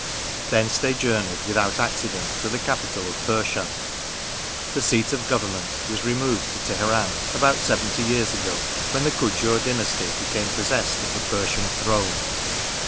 Thence they journeyed without ac cident to the capital of Persia. The seat of government was removed to Teheran about seventy years ago, when the Kujur dynasty became possessed of the Persian throne.